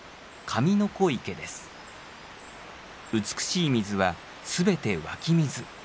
美しい水は全て湧き水。